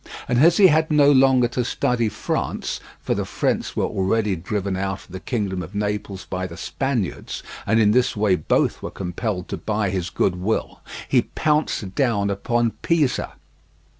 And as he had no longer to study France (for the French were already driven out of the kingdom of Naples by the Spaniards, and in this way both were compelled to buy his goodwill), he pounced down upon Pisa.